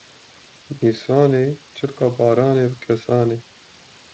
Nîsan e çilka baranê bi kêsane